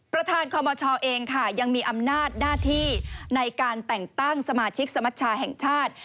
ประธานคอมชเองค่ะยังมีอำนาจหน้าที่ในการแต่งตั้งสมาชิกสมัชชาแห่งชาติ